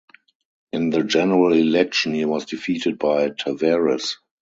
In the general election, he was defeated by Tavares.